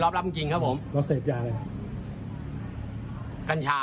นี่ค่ะไม่กลัวความผิดไม่กลัวถูกดำเนินคดีด้วยคุณผู้ชมค่ะ